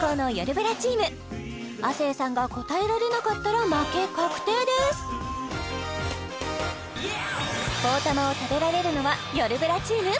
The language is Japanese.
ブラチーム亜生さんが答えられなかったら負け確定ですポーたまを食べられるのはよるブラチーム？